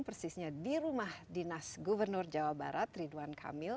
persisnya di rumah dinas gubernur jawa barat ridwan kamil